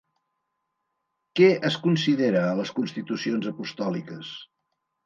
Què es considera a les Constitucions Apostòliques?